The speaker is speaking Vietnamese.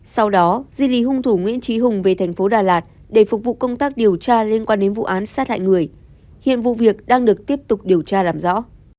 sau đó di lý hung thủ nguyễn trí hùng về thành phố đà lạt để phục vụ công tác điều tra liên quan đến vụ án sát hại người hiện vụ việc đang được tiếp tục điều tra làm rõ